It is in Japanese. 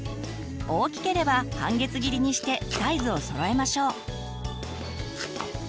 大きければ半月切りにしてサイズをそろえましょう。